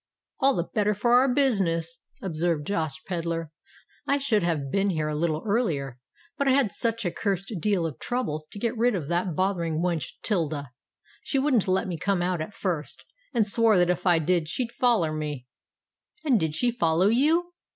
"All the better for our business," observed Josh Pedler. "I should have been here a little earlier; but I had such a cursed deal of trouble to get rid of that bothering wench 'Tilda. She wouldn't let me come out at first; and swore that if I did, she'd foller me." "And did she follow you?"